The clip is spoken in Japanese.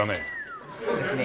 そうですね。